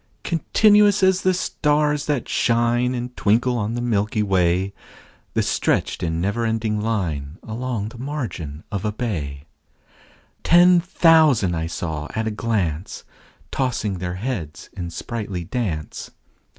Continuous as the stars that shine And twinkle on the milky way, The stretched in never ending line Along the margin of a bay: Ten thousand saw I at a glance, Tossing their heads in sprightly dance.